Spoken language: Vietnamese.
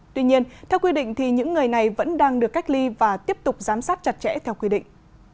tuy nhiên theo quy định thì những người này vẫn đang được cách ly và tiếp tục giám sát chặt chẽ theo quy định